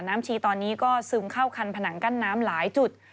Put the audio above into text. ชีตอนนี้ก็ซึมเข้าคันผนังกั้นน้ำหลายจุด